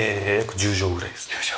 １０畳ぐらいね。